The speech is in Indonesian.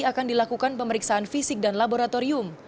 akan dilakukan pemeriksaan fisik dan laboratorium